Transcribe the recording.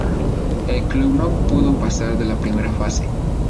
El club no pudo pasar de la primera fase.